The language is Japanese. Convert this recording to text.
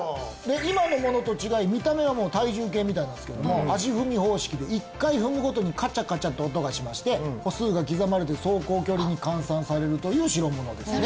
今のものと違い見た目は体重計みたいなんですけども足踏み方式で１回踏むごとにカチャカチャと音がしまして歩数が刻まれて走行距離に換算されるという代物ですね